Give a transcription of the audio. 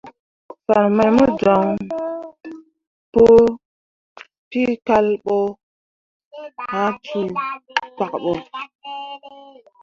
Fan mai mo joŋ pu peecal ɓo ah cuu pkak ɓo.